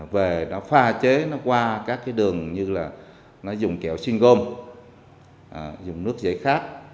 về đó pha chế nó qua các cái đường như là nó dùng kẹo xuyên gôm dùng nước dễ khát